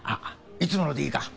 いつものでいいか？